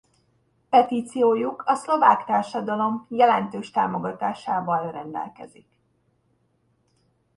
Petíciójuk a szlovák társadalom jelentős támogatásával rendelkezik.